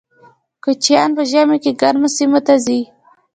کوچیان په ژمي کې ګرمو سیمو ته ځي